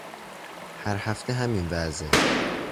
هر هفته همین وضعه